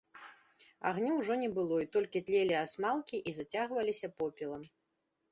Агню ўжо не было, і толькі тлелі асмалкі і зацягваліся попелам.